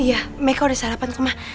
iya meka udah sarapan tuh mah